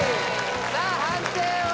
さあ判定は？